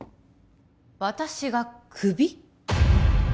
私がクビ？